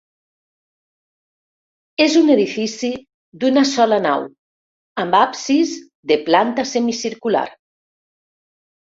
És un edifici d'una sola nau, amb absis de planta semicircular.